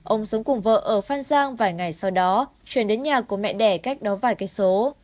ông sống cùng vợ ở phan giang vài ngày sau đó chuyển đến nhà của mẹ đẻ cách đó vài cây số